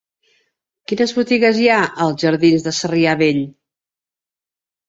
Quines botigues hi ha als jardins de Sarrià Vell?